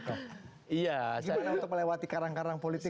gimana untuk melewati karang karang politik